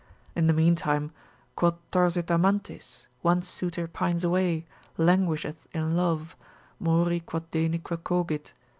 In the meantime, quot torsit amantes? one suitor pines away, languisheth in love, mori quot denique cogit!